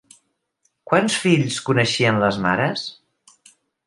Quants fills coneixien les mares?